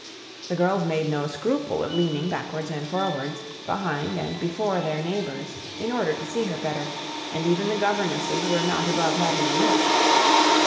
The girls made no scruple of leaning backwards and forwards, behind and before their neighbours, in order to see her better, and even the governesses were not above having a look.